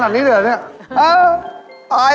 ขนาดนี้ด้วยหรือนี่